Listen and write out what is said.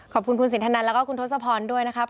ขอบคุณคุณสินทนันแล้วก็คุณทศพรด้วยนะครับ